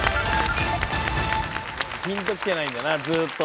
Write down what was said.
ピンときてないんだなずっと。